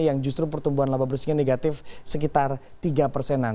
yang justru pertumbuhan laba bersihnya negatif sekitar tiga persenan